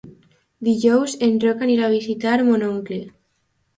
Dijous en Roc anirà a visitar mon oncle.